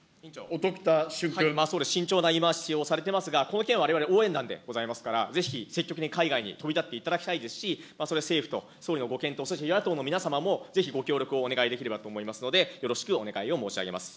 総理、慎重な言い回しをされていますが、この件、われわれは応援団でありますから、ぜひ積極的に海外に飛び立っていただきたいですし、それ、政府と総理のご見解、そして与野党の皆様も、ぜひご協力をお願いできればと思いますので、よろしくお願いを申し上げます。